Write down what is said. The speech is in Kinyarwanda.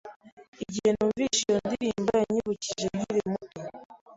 Igihe numvise iyo ndirimbo, yanyibukije nkiri umwana.